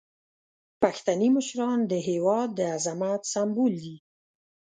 پښتني مشران د هیواد د عظمت سمبول دي.